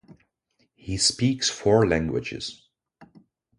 He speaks four languages.